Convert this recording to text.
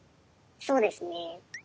そうですね。